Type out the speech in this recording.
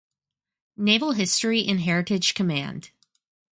Naval History and Heritage Command.